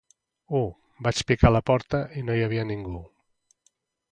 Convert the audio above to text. U, Vaig picar la porta i no hi havia ningú!